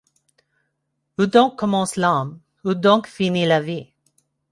Où donc commence l’âme? où donc finit la vie ?